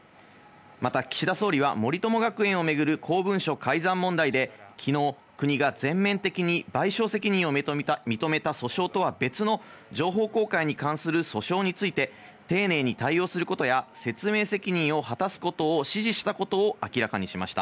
また岸田総理は森友学園をめぐる公文書改ざん問題で昨日、国が全面的に賠償責任を認めた訴訟とは別の情報公開に関する訴訟について、丁寧に対応することや説明責任を果たすことを指示したことを明らかにしました。